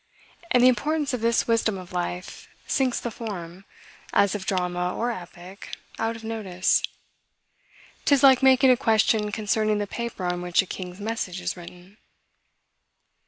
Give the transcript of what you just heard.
And the importance of this wisdom of life sinks the form, as of Drama or Epic, out of notice. 'Tis like making a question concerning the paper on which a king's message is written.